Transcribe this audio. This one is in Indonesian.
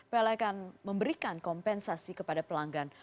pl akan memberikan kompensasi kepada pelanggan